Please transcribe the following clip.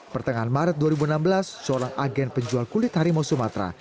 pertengahan maret dua ribu enam belas seorang agen penjual kulit harimau sumatera